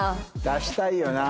出したいよな。